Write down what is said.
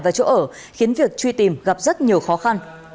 và chỗ ở khiến việc truy tìm gặp rất nhiều khó khăn